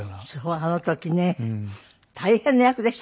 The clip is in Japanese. あの時ね大変な役でしたからね。